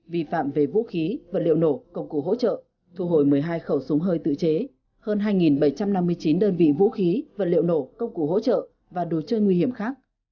vi phạm về vũ khí vật liệu nổ công cụ hỗ trợ thu hồi một mươi hai khẩu súng hơi tự chế hơn hai bảy trăm năm mươi chín đơn vị vũ khí vật liệu nổ công cụ hỗ trợ và đồ chơi nguy hiểm khác